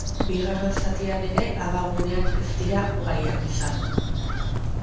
Bigarren zatian ere abaguneak ez dira ugariak izan.